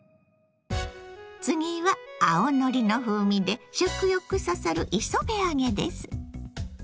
次は青のりの風味で食欲そそる磯辺揚げです。